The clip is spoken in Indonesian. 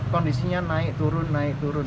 kondisinya naik turun naik turun